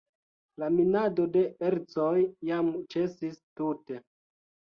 La minado de ercoj jam ĉesis tute.